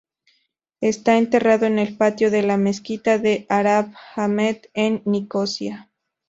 Está enterrado en el patio de la mezquita de Arab Ahmet en Nicosia.